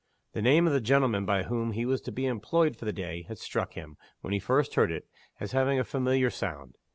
The name of the gentleman by whom he was to be employed for the day had struck him, when he first heard it, as having a familiar sound.